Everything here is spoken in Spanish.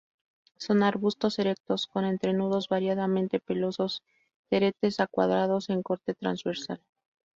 Son arbustos erectos; con entrenudos variadamente pelosos, teretes a cuadrados en corte transversal.